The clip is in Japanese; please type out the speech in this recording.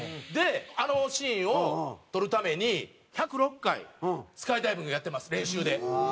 あのシーンを撮るために１０６回スカイダイビングをやってます練習で。